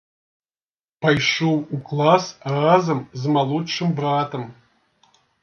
Пайшоў у клас разам з малодшым братам.